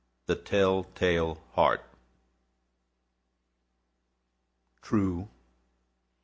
_ THE TELL TALE HEART. True!